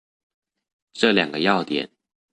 這兩個要點